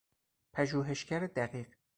پژوهشگر دقیق